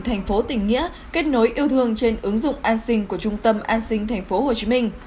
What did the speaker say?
thành phố tỉnh nghĩa kết nối yêu thương trên ứng dụng an sinh của trung tâm an sinh tp hcm